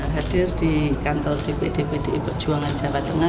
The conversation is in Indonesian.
hadir di kantor dpd pdi perjuangan jawa tengah